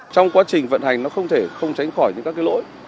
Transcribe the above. trong quá trình vận hành nó không thể không tránh khỏi những các cái lỗi